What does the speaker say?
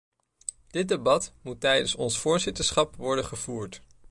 Dit debat moet tijdens ons voorzitterschap worden gevoerd.